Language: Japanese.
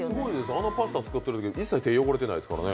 あのパスタ作っているときに一切手が汚れていないですからね。